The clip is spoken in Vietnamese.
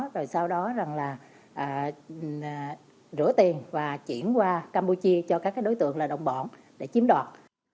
rồi sau đó là rửa tiền và chuyển qua campuchia cho các đối tượng là đồng bọn để chiếm đoạt